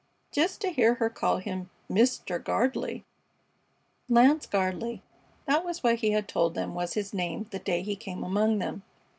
Just to hear her call him "Mr. Gardley"! Lance Gardley, that was what he had told them was his name the day he came among them.